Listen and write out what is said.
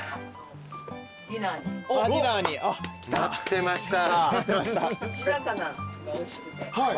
待ってました。